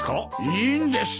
いいんです。